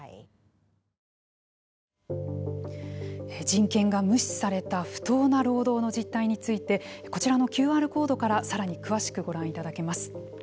人権が無視された不当な労働の実態についてこちらのＱＲコードからさらに詳しくご覧いただけます。